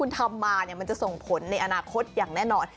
คุณทำมามันจะส่งผลในอนาคตอย่างแน่นอน